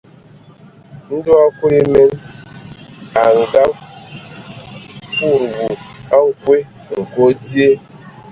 Ndɔ Kulu emen a afudubu a nkwe: nkwe o dzyee.